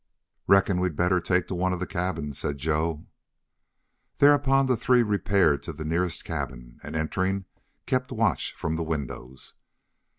"Reckon we'd better take to one of the cabins," said Joe. Thereupon the three repaired to the nearest cabin, and, entering, kept watch from the windows.